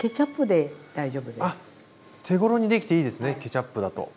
あ手頃にできていいですねケチャップだと。